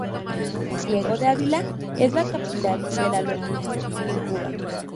Ciego de Ávila es la capital de la locución en Cuba.